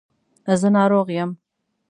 زه ناروغ یم.